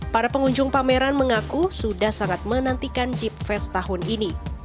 para pengunjung pameran mengaku sudah sangat menantikan jeep fest tahun ini